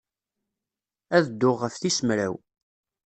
Ad dduɣ ɣef tis mraw.